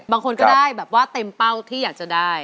บางคนก็ได้แบบว่าเต็มเป้าที่อยากจะได้